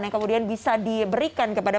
yang kemudian bisa diberikan kepada